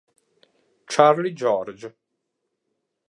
Charlie George